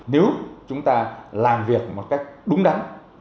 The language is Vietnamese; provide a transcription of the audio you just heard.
nếu chúng ta làm việc một cách đúng đắn